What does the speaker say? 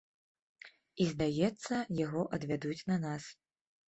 І здаецца, яго адвядуць на нас.